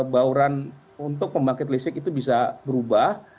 bauran untuk pembangkit listrik itu bisa berubah